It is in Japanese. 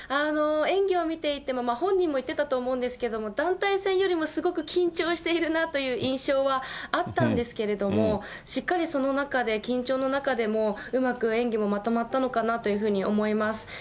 演技を見ていても、本人も言ってたと思うんですけど、団体戦よりもすごく緊張しているなという印象はあったんですけれども、しっかりその中で緊張の中でも、うまく演技もまとまったのかなというふうに思います。